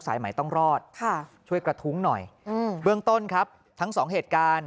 สายใหม่ต้องรอดค่ะช่วยกระทุ้งหน่อยอืมเบื้องต้นครับทั้งสองเหตุการณ์